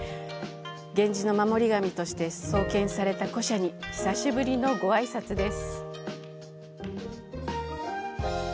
源氏の守り神として創建された古社に、久しぶりのご挨拶です。